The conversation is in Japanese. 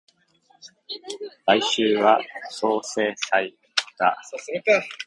来週は相生祭だ